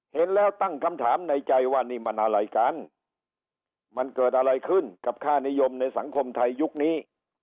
เห็นแล้วตั้งคำถามในใจว่านี่มันอะไรกันมันเกิดอะไรขึ้นกับค่านิยมในสังคมไทยยุคนี้